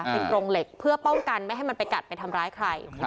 เป็นกรงเหล็กเพื่อป้องกันไม่ให้มันไปกัดไปทำร้ายใคร